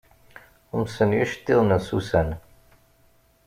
Umsen yiceṭṭiḍen n Susan.